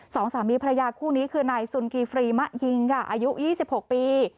สองสามีพระยากคู่นี้คือนายซุนกีฟรีมะยิงฯอายุยี่สิบหกปี